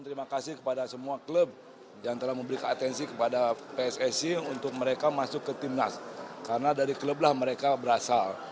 iryawan berharga untuk mereka masuk ke timnas karena dari klub lah mereka berasal